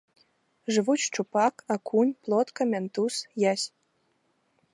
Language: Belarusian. Жывуць шчупак, акунь, плотка, мянтуз, язь.